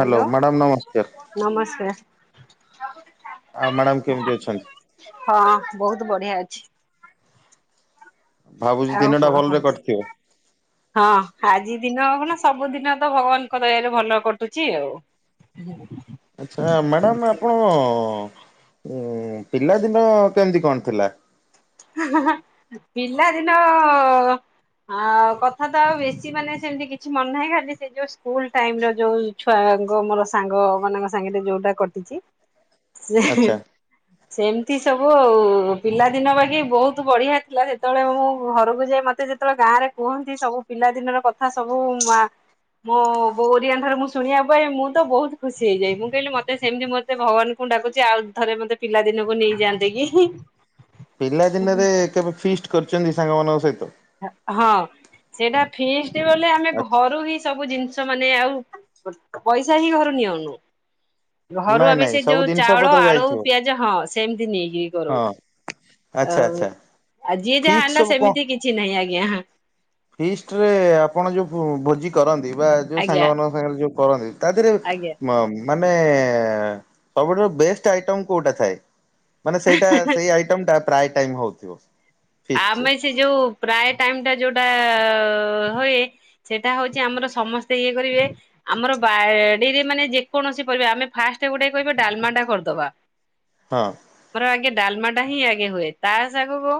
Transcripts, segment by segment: Hello madam ନମସ୍କାର ନମସ୍କାର। [unintelligible] ଆଉ ମ୍ୟାଡ଼ାମ କେମିତି ଅଛନ୍ତି। ହଁ ବହୁତ ବଢିଆ ଅଛି। ଭାବୁଛି ଆଉ ଦିନଟା କଣ ଭଲରେ କୁହନ୍ତି କଟିଥିବ ହଁ ଆଜି ଦିନ ନା ସବୁଦିନ ତ ଭଗବାନଙ୍କ ଦୟରେ ଭଲ କଟୁଛି ଆଉ। ଆଚ୍ଛା ମ୍ୟାଡ଼ାମ ଆପଣ ଉ ପିଲାଦିନ କେମିତି କଣ ଥିଲା। ପିଲାଦିନ କଥା ତ ଆଉ ବେଶୀ ମାନେ ସେମିତି କିଛି ମନେ ନାହିଁ ଖାଲି ସେ ଯୋଉ ସ୍କୁଲ ଟାଇ ର ଯୋଉ ଛୁଆଙ୍କ ମୋର ସାଙ୍ଗ ମାନଙ୍କ ସାଙ୍ଗରେ ଯୋଉଟା କଟିଛି ସେ ଆଚ୍ଛା। ସେମିତି ସବୁ ଆଉ। ପିଲା ଦିନ ବହୁତ ବଢିଆ ଥିଲା ସେତେବେଳେ ମୁଁ ଘରକୁ ଯାଇ ମତେ ଯେତେବେଳେ ଗାଁ ରେ କୁହନ୍ତି ସବୁ ପିଲାଦିନର କଥା ସବୁ ମୋ ଓଡ଼ିଆ ଘରୁ ମୁଁ ଶୁଣିବା ପାଇଁ ମୁଁ ତ ବହୁତ ଖୁସି ହେଇଯାଏ ମୁଁ କହିଲି ମତେ ସେମିତି ମତେ ଭଗବାନଙ୍କୁ ଡାକୁଛି ଆଉ ଥରେ ମତେ ପିଲାଦିନକୁ ନେଇଯାଆନ୍ତି କି? ପିଲାଦିନରେ କେବେ ଫିଷ୍ଟ କରିଛନ୍ତି ସାଙ୍ଗମାନଙ୍କ ସହିତ। ହଁ ସେଇଟା ଫିଷ୍ଟ ସେତେବେଳେ ଆମେ ଆଛା। ଘରୁ ହିଁ ସବୁ ଜିନିଷ ମାନେ ଆଉ। ପଇସା ହିଁ ଘରୁ ନିଅଉନୁ। ଘରୁ ନାଇଁ ଆମେ ନାଇଁ ସେ ସବୁ ଯୋଉ ଜିନିଷ ଚାଉଳ ପତ୍ର ଆଳୁ ଯାଇଥିବ ପିଆଜ ହଁ ସେମତି ନେଇକି କରୁ ହଁ ଆଚ୍ଛା ଆଉ ଆଚ୍ଛା ଯିଏ ଯାହା ଫିଷ୍ଟ ଆଣିଲା ସବୁ କଣ? ସେମିତି କି ଫିଷ୍ଟରେ ଆପଣ ଯୋଉ ଭୋଜି କରନ୍ତି। ଯୋଉ ଆଜ୍ଞା ସାଙ୍ଗମାନଙ୍କ ସାଙ୍ଗରେ ଯୋଉ। କହନ୍ତି। ତା ଦେହରେ ଆଜ୍ଞା। ମାନେ ସବୁଠାରୁ ବେଷ୍ଟ ଆଇଟମ୍ କଉଟା ଥାଏ। ମାନେ ସେଇଟା ସେଇ ଆଇଟମ ଟା ପ୍ରାୟ ଟାଇମ ହଉଥିବ। ଫିଷ୍ଟ ରେ ଆମେ ସେ ଯୋଉ ପ୍ରାୟ। ଟାଇମ ଟା ଯୋଉଟା ହୁଏ ସେଇଟା ହଉଛି ଆମର ସମସ୍ତେ ଇଏ କରିବେ ଆମର ବାଡିରେ ମାନେ ଯେକୌଣସି ପରିବା ଆମେ ଫାଷ୍ଟ ଗୋଟେ କହିବେ ଡାଲମାଟା କରିଦବା। ହଁ ମୋର ଆଗେ ଡାଲମା ହିଁ ଆଗେ ହୁଏ ତା ସାଙ୍ଗ କୁ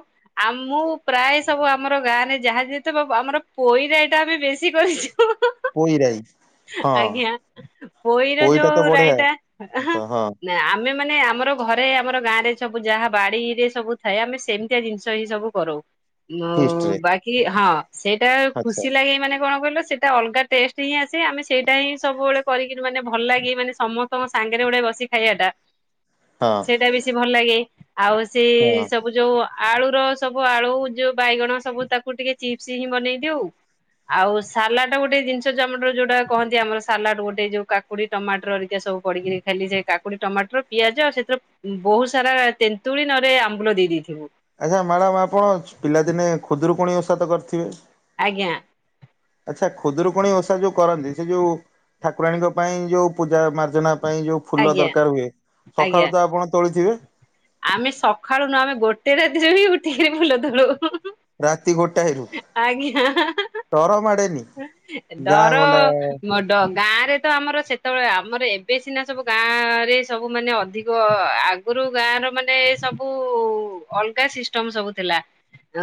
ଆମ ପ୍ରାୟ ସବୁ ଆମର ଗାଁରେ ଯାହା ଯେତେ ଆମର ପୋଇ ଏଇଟା ଆମେ ବେଶୀ କରିଛୁ। ପୋଇ ରାଇ ହଁ ଆଜ୍ଞା ପୋଇର ପୋଇଟା ତ ଯୋଉ ବଢିଆ ରାଇତା ତ ହଁ ନା ଆମେ ମାନେ ଆମର ଘରେ ଆମର ଗାଁ ରେ ସବୁ ଯାହା ବାଡିରେ ସବୁ ଥାଏ ଆମେ ସେମିତିଆ ଜିନିଷ। ଏଇ ସବୁ କରୁ। ଫିଷ୍ଟ ରେ ବାକି ହଁ। ସେଇଟା ଆଚ୍ଛା ଖୁସି ଲାଗେ ମାନେ କଣ କହିଲ? ସେଇଟା ଅଲଗା ଟେଷ୍ଟ ହିଁ ଆସେ ଆମେ ସେଇଟା ହିଁ ସବୁବେଳେ କରିକି ମାନେ ଭଲ ଲାଗେ ମାନେ ସମସ୍ତଙ୍କ ସାଙ୍ଗରେ ଗୋଟେ ବସି ଖାଇବାଟା ହଁ ସେଇଟା ବେଶୀ ଭଲ ଲାଗେ। ଆଉ ସେ ହଁ ସବୁ ଯୋଉ ଆଳୁ। ସବୁ ଆଳୁ ଯୋଉ ବାଇଗଣ ସବୁ ତାକୁ ଟିକେ ଚିପ୍ସ ହିଁ ବନେଇ ଦିଉ ଆଉ ସାଲାଡ ଗୋଟେ ଜିନିଷ ଜମଟ ଯୋଉଟା କହନ୍ତି ଆମର ସାଲାଡ ଗୋଟେ ଯୋଉ କାକୁଡି ଟମାଟର ଏିକ ସବୁ ପଡିକି ଖାଲି ସେ କାକୁଡି ଟମାଟର ପିଆଜ ସେଥିରେ ବହୁତ ସାରା ତେନ୍ତୁଳି ନରେ ଆମ୍ବୁଲ ଦେଇେଇଥିବ ଆଚ୍ଛା ମ୍ୟାଡ଼ାମ ଆପଣ ପିଲାଦିନେ ଖୁଦରୁକୁଣି। ହସତ କରିଥିବେ। ଆଜ୍ଞା ଆଚ୍ଛା ଖୁଦରୁ କଣ ବ ଯୋଉ କରନ୍ତି ସେ ଯୋଉ। ଠାକୁରାଣୀଙ୍କ ପାଇଁ ଯେଉଁ ପୂଜା ମାର୍ଚ୍ଚନା। ପାଇଁ ଯୋଉ ଫୁଲ ଆଜ୍ଞା ଦରକାର ହୁଏ ଆଜ୍ଞା ସକାଳୁ ତ ଆପଣ ତୋଳିଥିବେ। ଆମେ ସକାଳୁନୁ ଆମେ ଗୋଟେ ରାତିରେ ବି ଉଠିକି ବୁଲ ତଳୁ ରାତି ଗୋଟାଏରୁ ତର ମାଡେନି ଗାଁ ଗଣ୍ଡା ଗାଁରେ ତ ଆମର ସେତେବେଳେ ଆମର ଏବେ ସିନା ସବୁ ଗାଁରେ ସବୁମାନୋନେ ଅଧିକ ଆଗରୁ ଗାଁର ମାନେ ସବୁ ଅଲଗା ସିଷ୍ଟମ ସବୁ ଥିଲା।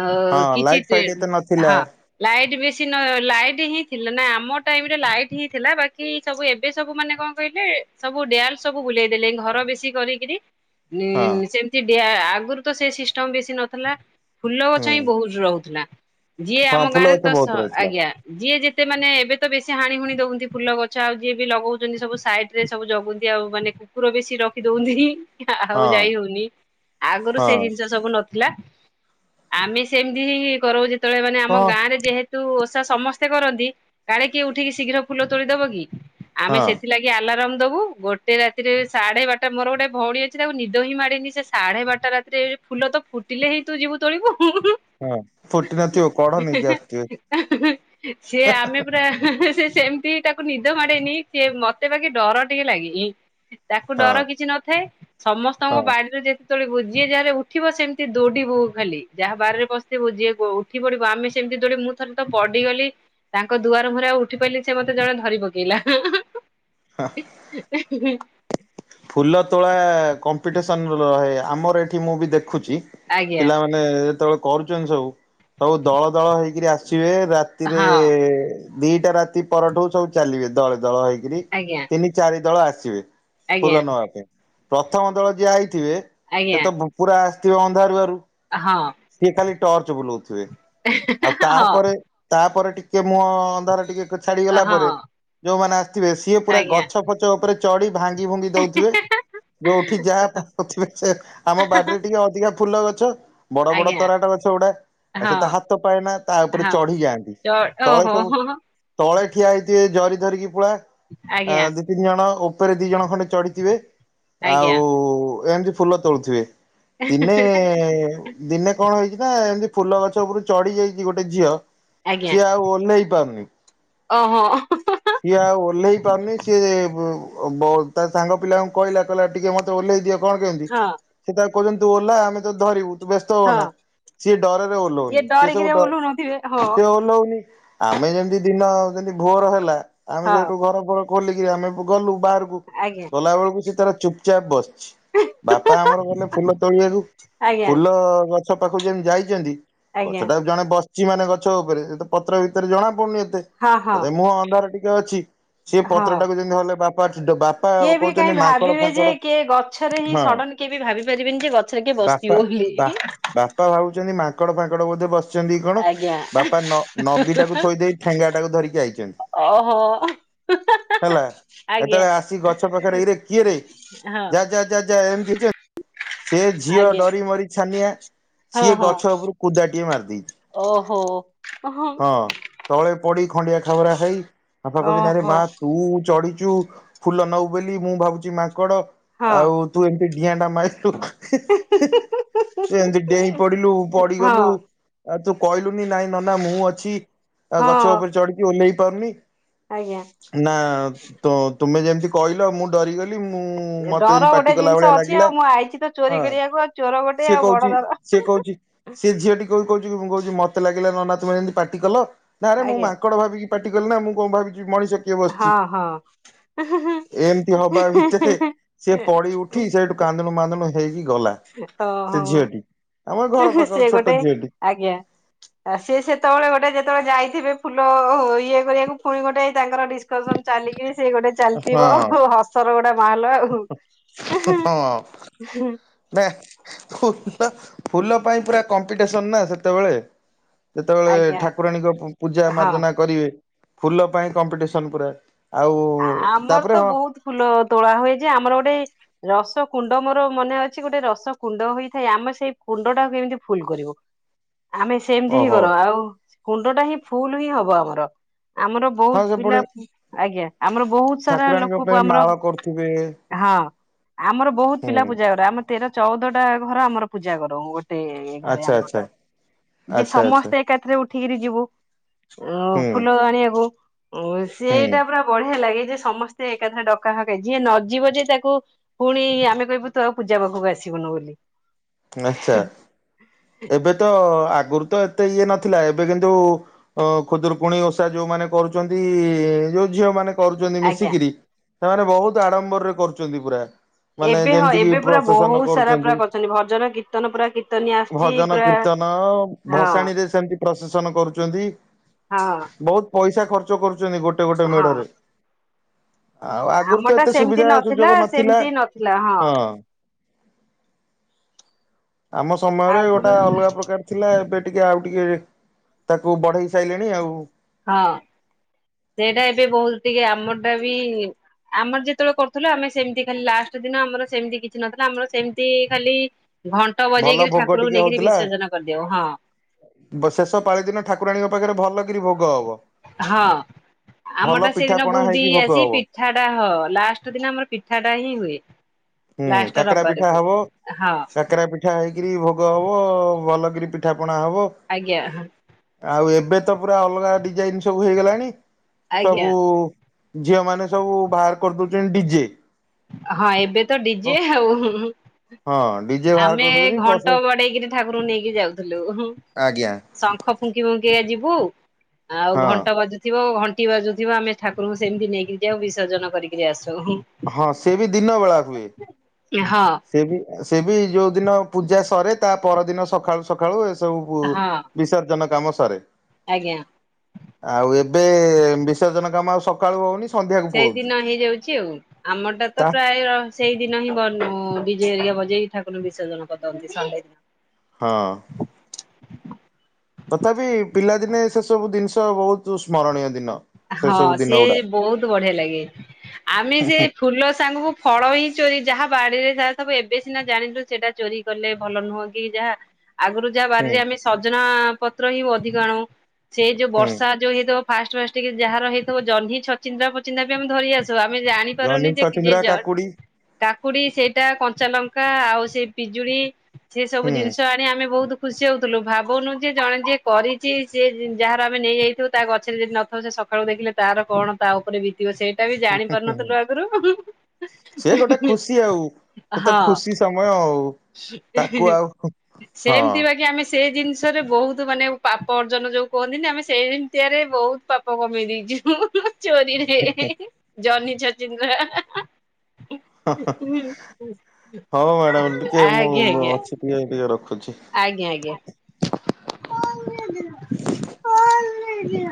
ଅ ହଁ କିଛି ଲାଇଟ ଫାଇଟ ଏତେ ନଥିଲା ହଁ ଲାଇଟ ବେଶ କି ଲାଇଟ ହିଁ ଥିଲା ନା ଆମ ଟାଇମରେ ଲାଇଟ ହିଁ ଥିଲା ବାକି ସବୁ ଏବେ ସବୁ ମାନେ କଣ କହିଲେ ସବୁ ଡଲ ସବୁ ବୁଲେଇ ଦେଲେ ଘର ବେଶୀ କରିକିରି। ହଁ ନ ଆଗରୁ ତ ସେ ସିଷ୍ଟମ ବେଶୀ ନଥିଲା। ଫୁଲ ଗଛ ହୁଁ ହିଁ ବହୁତ ରହୁଥିଲା। ଯିଏ ହଁ ଆମ ଫୁଲ ଗାଁରେ ଗଛ ତ ବହୁତ ରହୁଥିଲା ଆଜ୍ଞା ଯିଏ ଯେେ ଏତେ ମାନେ ଏବେ ତ ବେଶୀ ହାଣି ହୁଣି ଦଉନ୍ତି ଫୁଲ ଗଛ ଆଉ ଯିଏ ବି ଲଗଉଛନ୍ତି ସବୁ ସାଇଡ ରେ ସବୁ ଜଗନ୍ତି ଆଉ ମାନେ କୁକୁର ବେଶୀ ରଖି ଦଉନ୍ତି। ଆଉ ହଁ ଯାଇ ହୋଉଁନି। ଆଗରୁ ସେ ହଁ ଜିନିଷ ସବୁ ନଥିଲା। ଆମେ ସେମିତି ହିଁ କରୁ ଳେ ମାନେ ଆମ କଣ ଗାଁରେ ଯେହେତୁ ସମସ୍ତେ କରନ୍ତି କାଳେ କିଏ ଉଠିକି ଶୀଘ୍ର ଫୁଲ ତୋଳିଦବ କି? ଆମେ ହଁ ସେଥିଲାଗି ଆଲାରମ ଦବୁ ଗୋଟେ ରାତିରେ ସାଢେ ବାରଟା ମୋର ଗୋଟେ ଭଉଣୀ ଅଛି ତାକୁ ନିଦ ହିଁ ମାଡନି ସେ ସାଢେ ବାରଟା ରାତିରେଉ ଫୁଲ ତ ଫୁଟିଲ ହେଇ ତୁ ଯିବୁ ତୋଳିବୁ। ହଁ ଫୁଟି ନଥିବ କଢ ନେଇକି ଆସୁଥିବେ ସେ ଆମେ ପୁରା। ସେମିତି ତାକୁ ନିଦ ସେି ମତେ ବାକି ଡର ଟିକେ ଲାଗେ। ତାକୁ ହଁ ଡର କିଛି ନଥାଏ ହଁ ସମସ୍ତଙ୍କ ବାଡିରୁ ଯେ ୋିବୁ ଯିଏ ଯାହାାରେ ଉଠିବ ସେମିତି ଦୌଡିବୁ ଖାଲି ଯାହା ବାରାରେରେ ବସଥିବୁ ଯିଏ ଉଠି ପଡିବୁ ଆମେ ସେମିତି ଦୌଡିବୁ ମୁଁ ଥରେ ତ ପଡିଗଲି ତାଙ୍କ ଦୁଆର ମୁରେ ଆଉ ଉଠି ପାରିଲି ନାହିଁ ସେ ମତେ ଜଣେ ଧରି ପକେଇଲା। [inaudible] ଫୁଲ ତୋଳା କମ୍ପିଟିସନ ରହେ ଆମର ଏଠି ମୁଁ ବି ଦେଖ ଦେଖୁଛି ଆଜ୍ଞା ପିଲାମାନେ ଯେତେବେଳେ କରୁଛନ୍ତି ସବୁ ସବୁ ଦଳ ଦଳ ହେଇକିରି ଆସିବେ। ରାତିରେ ହଁ ଦିଟା ରାତି ପରଠୁ ସବୁ ଚାଲିବେ ଦଳ ଦଳ ହେଇକରି ଆଜ୍ଞା ତିନି ଚାରି ଦଳ ଆସି ଆସିବେ। ଆଜ୍ଞା ଫୁଲ ନବା ପାଇଁ ପ୍ରଥମ ଦଳ ଯିଆ ହେଇଛି। ଥିବେ ଏ ଆଜ୍ଞା ତ ପୁରା ଅନ୍ଧାର ବାରୁ ହଁ। ଟର୍ଚ ବୁଲଉଥିବେ। ଆଉ ହଁ ତାପରେ ତାପରେ ଟିକେ ମୁୋ ଅନ୍ଧାରରେ ଟିକେ ଛାଡିଗଲା ପରେ ହଁ ଯୋଉମାନେ ଆ େ ସିଏ ପୁରା ଆଜ୍ଞା। ଗଛ ଫଛ ଉପରେ ଚଡ଼ି ଭାଙ୍ଗି ଭଙ୍ଗି ଦଉଥିବେ ଯୋଉଠି ଯାହା ପାଉଥିବେ ଆମ ବାଡିରେ ଟିକେ ଅଧିକା ଫୁଲ [unintelligible] ବଡ ବଡ ଆଜ୍ଞା ତରାଟା ଅଛ ଗଉଟା ଆଉ ହଁ ସେଟ ହାତ ପାଏନା ତା ଉପରେ ହଁ ଚଢି ଯାଆନ୍ତି ଚ ତଳେ ଓହୋ ସବୁ ହୋ, ହୋ, ତଳେ ଠିଆଇଥିବେ ଜରି ଧରିକି ଆଜ୍ଞା ପ ଦି ତିନି ଜଣ ଉପରେ ଦି ଜଣ ଖଣ୍ଡେ ଚଢିଥିବେ ଆଉ ଆଜ୍ଞା ଏିତି ଫୁଲ ତୋଳୁଥିବେ। ତିନେ ଦିନେ କଣ ହେଇଛି ନା ନା ଏମିତି ଫୁଲ ଗଛ ଉପରୁ ଚଢି ଯାଇଛି ଗୋଟେ ଝିଅ ଆଜ୍ଞା ସିଏ ଆଉ ଓହ୍ଲେଇ ପାରୁନି। ଓହୋ। ସିଏ ଆଉ ଓହ୍ଲେଇ ପାରୁନି ସିଏ ତା ସାଙ୍ଗ ପିଲାଙ୍କୁ କହିଲା କହିଲା ଟିକେ ମତେ ଓହ୍ଲେଇ ଦିଅ। କଣ କେମିନ୍ତି ହଁ ସେ ତା କହୁଛନ୍ତି ତୁ ଓଲହା ଆମେ ତ ଧରିବୁ। ବ୍ୟସ୍ତ ହଁ ହୋନା ସିଏ ଡରରେ ଇଏ ଓହ୍ଲୋଉନି ସି ଡରିକିରି ସବୁଡ ଓହ୍ଲଉନଥିବେ ହଁ ସି ଓ୍ଲହଉନି ଆମେ ଯେମତି ଦିନ ଯଦି ଭୋର ହେଲା ଆମେ ହଁ ସେଇଠୁ ଘରଫର କଲିକିରି ଆମେ ଗଲୁ ବାହାରକୁ ଆଜ୍ଞା ଗଲାବେେଳକୁ ସେଠ ତାର ଚୁପଚାପ ବସ ବାପା ଆମର ଗଲେ ଫୁଲ ତୋଳିବାକୁ ଆଜ୍ଞା ଫୁଲ ଗ ସ ପାଖକୁ ଯେମିତି ଯାଇଛନ୍ତି ଆଜ୍ଞା ଗଛଟା ଜଣେ ବସ ମାନେ ଗଛ ଉପରେ ସେ ପତ୍ର ଭିତରେ ଜଣାପଡୁନି ଏ ହଁ ହଁ ତଥାପି ମୁଁ ଆନ୍ଧାର ଟି ଅଛି। ସେ ହଁ ପତ୍ର ଟାକୁ ଯେମିତି ଧରିଲେ ବାପ କିଏ ବି କାହିଁ ଭାବିବେ ଯେ ଫାଙ୍କଡ କିଏ ଗଛରେ ହିଁ ହଁ ସଡନ କିଏ ବି ଭାବି ପାରିବେନି ଯେ ଗଛରେ କିଏ ବାପା ବସିଥିବ ବୋଲି। [inaudible] [inaudible] ବସ ଛନ୍ତି କଣ ଆଜ୍ଞା ବାପା ନଗୀ ଟାକୁ ଥୋଇଦେଇ ଠେଙ୍ଗା ଟାକୁ ଧରିକି ଆଇଛନ୍ତି। ଓହୋ [inaudible] ହେଲା ଆଜ୍ଞା ସେତେବେଳେ ଆସି ଗଛ ପାଖରେ ଏଇରେ କିଏରେ ହଁ ଯା ଯା ଯା ଏମିତି ସେ ଝିଅ ଆଜ୍ଞା ଡରି ମରି ଛାନିଆ ହଁ ସିଏ ହଁ ଗଛ ଉପରୁ କୁଦାଟିଏ ମାର [inaudible] ଓହୋ ହଁ। ପଡ଼ି ଖଣ୍ଡିଆ ଖାବରା ହେଇ ବାପା କହୁଛନ୍ତି ଆରେ ଓହୋ ମା ତୁ ଚଢି ଫୁଲ ନବୁବୋଲି ମୁଁ ଭାବୁଛି ମା ଙ୍କଡ ହଁ ଆଉ ତୁ ଏ ଡିଆଁ ଟା ମାରି ତୁ ହିଁ ହିଁ ହିଁ ଏମିତି ଡେଇଁ ପଡିଲୁ ହଁ ପଡିଗଲୁ ଆଉ ତୁ କହିଲୁନି ନାଇଁ ନନା ମୁଁ ଅ ଛି ଆଉ ଗଛ ହଁ ଉପରେ ଚଢିକି ଓହ୍ଲେଇକି ପମି ଆଜ୍ଞା। ନା ତ-ତୁମେ ଯେମିତି କହିଲ ମୁଁ ଡରିଗ ଡର ଗୋଟେ ଜିନିଷ ଅଛି ଲାଗିଲା ଆଉ ମୁଁ ଆ ହଁ ସିଏ କହୁଛି ଦର ସିଏ କହୁଛି ସେ ଝିଅଟି କ-କହୁଛି କ-କହୁଛି ମତେ ଲାଗିଲା ନନା ମୁଁ ଏମିତି ପାଟି କଲ। ନାଁରେ ମୁଁ ଆଜ୍ଞା। ମାଙ୍କଡ ଭାବିକି ପାଟି କଲି ନା ମୁଁ କଣ ଭାବି ମଣିଷ କିଏ ବସିଛି ହଁ ହଁ। ଏମତି ହବା ଭିତରେ ସିଏ ପଡି ଉଠି ସେଠୁ କାନ୍ଦୁଣୁ ମାନ୍ଦୁଣୁ କଣ ହେଇଚି? ଗଲା ସେ ଝିଅଟି। ଆମ ଘର ହିଁ ହିଁ ପାଖର ସିଏ ଛୋଟ ଗୋଟେ ଝିଅଟି ଆଜ୍ଞା ସିଏ ସେତେବେଳେ ଗୋଟେ ଯେତେବେଳେ ଯାଇଥିବେ ଫୁଲ ଇଏ କରିବାକୁ ପୁଣି ଗୋଟେ ତାଙ୍କର ଡିସକସନ ଚାଲିକି ସେ ଗୋଟେ ଚାଲିଥିବ ହ ହଁ ହସର ଗୋଡା ମାହଲ ଆଉ ଇହଁ ହଁ। ହିଁ। ନା ଫୁଲହ ଫୁଲ ପାଇଁ ପୁରା କମ୍ପିଟିସନ ନା ସେତେବେଳେ। ଯେତେବେଳେ ଆଜ୍ଞା ଠାକୁରାଣୀଙ୍କ ପୂଜା ହଁ। ମାର୍ଜ୍ଚନା କରିବେ। ଫୁଲ ପାଇଁ କମ୍ପିଟିସନ ପୁରା। ଆଉ ଆମର ତାପରେ ତ ହଁ ବହୁତ ଫୁଲ ତୋଳା ହୁଏ ଯେ ଆମର ଗୋଟେ ରସ କୁଣ୍ଡ ମୋର ମନେ ଅଛି ଗୋଟେ ରସ କୁଣ୍ଡ ହୋଇଥାଏ ଆମେ ସେଇ କୁଣ୍ଡ ଟାକୁ କେମିତି ଫୁଲ କରିବୁ। ଆମେ ସେମିତି ହିଁ ଓହୋ କରୁ ଆଉ କୁଣ୍ଡ ଟା ହିଁ ଫୁଲ ହିଁ ହବ ଆମର। ଆମର ହଁ ବହୁତ ସେ ପିଲା ପୁଣି ଆଜ୍ଞା। ଆମର ବହୁତ ସାରା ଠାକୁରାଣୀଙ୍କ ଲୋକ ପାଇଁ ଆମର ମାଳ କରୁଥିବେ ହଁ। ଆମର ବହୁତ ପିଲା ହୁଁ ପୂଜା କର। ଆମ ତେର ଚଉଦଟା ଘର ଆମର ପୂଜା କରୁ ଗୋ ଟେ ଏ ଘରେ ଆଚ୍ଛା ଆଚ୍ଛା ଆମ୍ଭଟା ଯିଏ ଆଚ୍ଛା ଆଚ୍ଛା ସମସ୍ତେ ଏକାଥରେ ଉଠ ଠିକରି ଯିବୁ। ଓ ହୁଁ ଫୁଲ ଆଣିବାକୁ। ଓ ହୁଁ ସେଇଟା ପୁରା ବଢିଆ ଲାଗେ ଯେ ସମସ୍ତେ ଏକାଥରେ ଡକା ହକା ଯିଏ ନଯିବ ଯେ ତାକୁ ପୁଣି ଆମେ କହିବୁ ତୁ ଆଉ ପୂଜା ପାଖକୁ ଆସିବୁନୁ ବୋଲି। ଆଛା ଏବେ ତ ଆଗ୍ ଆଗରୁ ତ ଏତେ ଇଏ ନଥିଲା ଏବେ କିନ୍ତୁ ଅ ଖୁଦରକୁଣୀ ଓଷା ଯୋଉମାନୋନ କରୁଛନ୍ତି ଯୋଉ ଝିଅ ମାନେ କରୁଛନ୍ତି ଆଜ୍ଞା। ମିଶିକିରି ସେମାନେ ବହୁତ ଆଡମ୍ବରରେ କରୁଛନ୍ତି ପୁରା ମାନେ ଏବେ ହଁ ଯେମିତି କିି ଏବେ ପୁରା ପ୍ରସେସନ ବହୁତ ସାରା କରୁଛନ୍ତି ପୁରା କରିଛନ୍ତି ଭ ଭଜନ କୀର୍ତ୍ତନ ହଁ ଭସାଣୀ ରେ ସେମିତି ପ୍ରଶାସନ କରୁଛନ୍ତି ହଁ ବହୁତ ପଇସା ଖର୍ଚ କରୁ। ଗୋଟେ ଗୋଟେ ହଁ ମେଢରେ ଆଉ ଆଗରୁ ତ ଆମଟା ଏତେ ସେମିତି ସୁବିଧା ସୁଯୋଗ ନଥିଲା ସେମିତି ନଥିଲା ହଁ। ଆମ ସମୟରେ ଗୋଟେ ଆଗରୁ ଅଲଗା ପ୍ରକାର ଥିଲା ଏବେ ଟିକେ ଆଉ। ଟିକେ ତାକୁ ବଢେଇ ସାରିଲେଣି ଆଉ ହଁ ସେଇଟା ଏବେ ବହୁତ ଟିକେ ଆମର ଟା ବି ଆମର ଯେତେବେଳେ କରୁଥିଲୁ ଆମେ ସେମିତି ଖାଲି ଲାଷ୍ଟ ଦିନ ଆମର ସେମିତି କିଛି ନଥିଲା ଆମର ସେମତି ଖାଲି ଘଣ୍ଟ ଭଲ ବଜେଇକିରି ଭୋଗ ଠାକୁରଙ୍କୁ ଟିକେ ନେଇକିରି ହଉଥିଲା ବିସର୍ଜନ କରିଦେଉ ହଁ ଶେଷ ପାଳି ଦିନ ଠାକୁରାଣୀଙ୍କ ପାଖରେ ଭଲ। [inaudible] ହଁ ଆମର ଭଲ ଟା ପିଠା ସେଦିନ ପଣା ବୁନ୍ଦି ହେଇକି ଭୋଗ ଆସି ହବ ପିଠାଟା ହଁ ଲାଷ୍ଟ ଦିନ ଆମର ପିଠାଟା ହିଁ ହୁଏ। ହୁଁ ଲାଷ୍ଟ କାକରା ପିଠା ରବିବାରକୁ ହବ ହଁ କାକରା ପିଠା ହେଇକରି ଭୋଗ ହବ ଭଲ କରି ପିଠା ଣା ହବ ଆଜ୍ଞା ଆଉ ଏବେ ତ ପୁରା ଅଲଗା ଡିଜାଇନ ସବୁ ହେଇଗଲାଣି। ଆଜ୍ଞା ସବୁ ଝିଅମାନୋନେ ସବୁ ବାହାର କରିଦଉଛନ୍ତି ଡିଜେ। ହଁ ଏବେ ତ ଡିଜେ ଆଉ ହଁ ଡିଜେ ବାହାର ଆମେ କରିଦଉଛନ୍ତି ପ୍ଲସ ଘଣ୍ଟ ବଡେଇକିରି ଠାକୁରଙ୍କୁ ନେଇକି ଯାଉଥିଲୁ ଆଜ୍ଞା ଶଙ୍ଖ ଫୁଙ୍କି ଫୁଙ୍କି ଆଜି ହୁ। ଆଉ ହଁ ଘଣ୍ଟା ବାଜୁଥିବ ଘଣ୍ଟ ବାଜୁଥିବ ଆମେ ଠାକୁଙ୍କୁ ସେମତି ନେଇକି ଯାଉଉ ବିସର୍ଜନ କରିକି ଆସୁ। ହ। ହଁ ସେ ବି ଦିନ ବେଳା ହୁଏ। ସେ ବି ସେ ବି ଯୋଉ ଦିନ ପୂଜା ସରେ ତା ତା ପରଦିନ ସକାଳୁ ସକାଳୁ ସବ ବିସର୍ଜନ କାମ ସାରେ। ଆଜ୍ଞା ଆଉ ଏବେ ସେଜନ କାମ ଆଉ ସକାଳୁ ହଉନି। ସନ୍ଧ୍ୟାକୁ ପଳଉଛି। ସେଇଦିନ ହେଇଯାଉଛି ଆଉ ଆମଟା ତ ତା ପ୍ରାୟ ସେଇଦିନ ହିଁ ବ ବିଜେ ଏରିଆ ବଜେଇ ଠାକୁର ବିସର୍ଜନ କରିଦନ୍ତି ସେ ଦିନ। ହଁ। ତଥାପି ପିଲାଦିନେ ସେ ସବୁ ଜିନିଷ ବହୁତ ସ୍ମରଣୀୟ ଦିନ। ସେ ହଁ ସବୁ ଦିନ ସିଏ ଗୁଡା ବହୁତ ବଢିଆ ଲାଗେ ଆମେ ସେ ହୁଁ ଫୁଲ ସାଙ୍ଗକୁ ଫଳ ହିଁ ଚୋରି ଯାହା ବାଡିରେ ସବୁ ଏବେ ସିନା ଜାଣିଲୁ ସେଇଟା ଚୋରି କଲେ ଭଲ ନୁହଁ କି ଯାହା ଆଗରୁ ଯାହା ହୁଁ ବାରିରେ ଆମେ ସଜନା ପତ୍ର ହିଁ ଅଧିକା ଆଣ ସେ ଯୋଉ ହୁଁ ବର୍ଷା ଯୋଉ ହେଇତ ଫା ଟିକେ ଯାହାର ହେଇଥିବ ଜହ୍ନିଛଚିନ୍ଦା ପଚିନ୍ଦା ବି ଆମେ ଧରି ଆସୁ। ଆମେ ଜହ୍ନି ଜାଣିପାରୁନି ଯେ ଛଚିନ୍ଦ୍ରା ଜ କାକୁଡି କାକୁଡି ସେଇଟା କଞ୍ଚା ଲଙ୍କା ଆଉ ସେ ପିଜଳି ସେ ସବୁ ହୁଁ ଜିନିଷ ଆଣି ଆମେ ବହୁତ ଖୁସି ହେଉଥିଲୁ ଭାବୁନୁ ଯେ ଜଣେ ଯିଏ କରିଛି ସେଏ ଯାହାର ଆମେ ନେଇଯାଇଥିବୁ ତା ଗଛରେ ଯ ନ ସକାଳୁ ଦେଖିଲେ ତାର କଣ ତା ଉପରେ ବି ବିତିବ ସେଇଟା ଜାଣି ପାରୁନଥିଲୁ ଆଗରୁ ସେ ଗୋଟେ ଖୁସି ଆଉ ସେ ତ ହଁ ଖୁସି ସମୟ ଆଉ ତାକୁ ଆଉ ହଁ। ସେମିତି ବାକି ଆମେ ସେ ଜିନିଷରେ ବହୁତ ମାନେ ପାପ ଅର୍ଜନ ଯୋଉ କୁହନ୍ତିନ ଆମେ ସେତିଆରେ ବହୁତ ପପ କମେଇ ଦେଇଛୁ। ଚୋରିରେ ଜନ ଜତିନ୍ଦ୍ର ହଉ ମ୍ୟାଡ଼ାମ ଟିକେ ମୁଁ ଆଜ୍ଞା ଆଜ୍ଞା ଅଛି ଟିକେ ଟିକେ ରଖୁଛି। ଆଜ୍ଞା ଆଜ୍ଞା। ହ କଲେଲି।